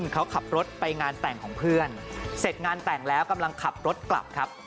เขาขับรถไปงานแต่งของเพื่อนเสร็จงานแต่งแล้วกำลังขับรถกลับครับ